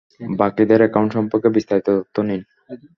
বাকিদের একাউন্ট সম্পর্কে বিস্তারিত তথ্য নিন।